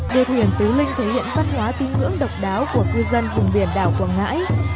đua thuyền tứ linh thể hiện văn hóa tín ngưỡng độc đáo của cư dân vùng biển đảo quảng ngãi